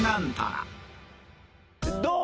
どう？